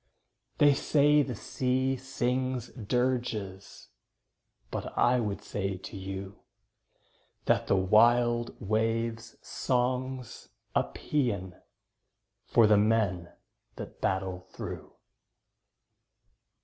They say the sea sings dirges, But I would say to you That the wild wave's song's a paean For the men that battle through.